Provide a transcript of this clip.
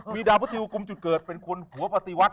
มีดาวพระทิวกุมจุดเกิดเป็นคนหัวปฏิวัติ